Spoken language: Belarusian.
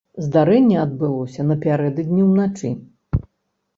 Здарэнне адбылося напярэдадні ўначы.